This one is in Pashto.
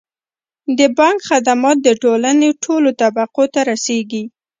د بانک خدمات د ټولنې ټولو طبقو ته رسیږي.